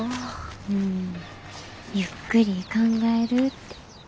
うんゆっくり考えるって。